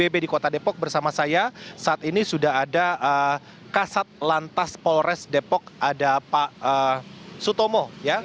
di kota depok bersama saya saat ini sudah ada kasat lantas polres depok ada pak sutomo